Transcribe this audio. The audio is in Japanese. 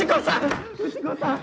藤子さん！